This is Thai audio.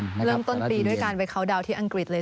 เริ่มต้นปีด้วยการไปเข้าดาวน์ที่อังกฤษเลย